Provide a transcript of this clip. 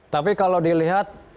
tapi kalau dilihat